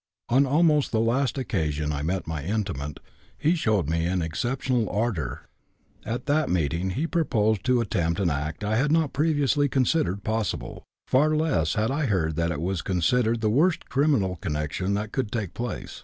On almost the last occasion I met my intimate he showed an exceptional ardor. At that meeting he proposed to attempt an act I had not previously considered possible, far less had I heard that it was considered the worst criminal connection that could take place.